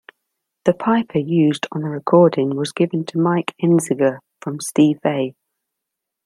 The pipa used on the recording was given to Mike Einziger from Steve Vai.